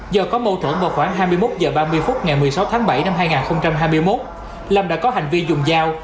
do có mâu thuẫn vào khoảng hai mươi một h ba mươi phút ngày một mươi sáu tháng bảy năm hai nghìn hai mươi một lâm đã có hành vi dùng dao